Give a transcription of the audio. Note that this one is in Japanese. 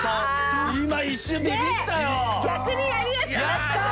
やったー！